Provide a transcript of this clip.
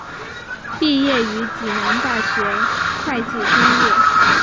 毕业于暨南大学会计专业。